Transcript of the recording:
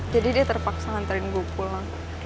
jadi dia terpaksa nganterin gue pulang